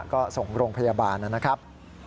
ก็ส่งโรงพยาบาลนะครับ